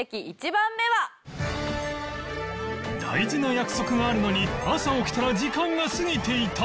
大事な約束があるのに朝起きたら時間が過ぎていた！